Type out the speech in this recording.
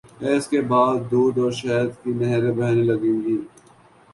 کیا اس کے بعد دودھ اور شہد کی نہریں بہنے لگیں گی؟